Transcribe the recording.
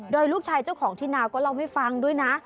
โดยลูกชายเจ้าของที่นาวก็เล่าให้ฟังด้วยนะ